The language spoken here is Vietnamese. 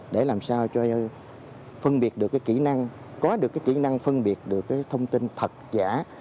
để làm sao cho phân biệt được cái kỹ năng có được cái kỹ năng phân biệt được thông tin thật giả